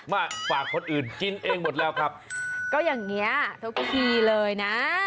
มาฝากคนอื่นกินเองหมดแล้วครับก็อย่างเงี้ยทุกวิธีเลยนะ